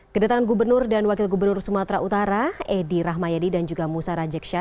kedatangan gubernur dan wakil gubernur sumatera utara edy rahmayadi dan juga musa rajeksya